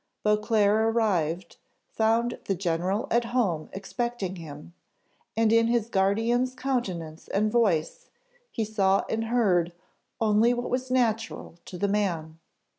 Beauclerc arrived, found the general at home expecting him, and in his guardian's countenance and voice he saw and heard only what was natural to the man.